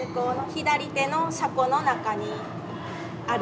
左手の車庫の中にある？